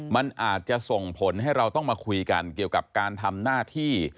มันอาจจะส่งผลให้เราต้องมาคุยกันเกี่ยวกับการทำหน้าที่